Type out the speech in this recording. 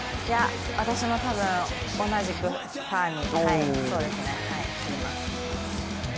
私も多分同じくファーに。